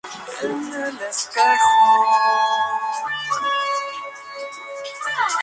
El material cayó sobre arena y neumáticos colocados con tal fin bajo el viaducto.